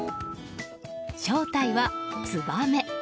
正体はツバメ。